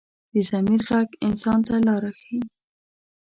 د ضمیر غږ انسان ته لاره ښيي